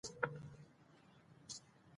ازادي راډیو د د کار بازار ته پام اړولی.